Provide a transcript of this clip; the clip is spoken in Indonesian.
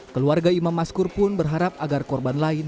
keluarga imam maskur pun berharap agar korban lain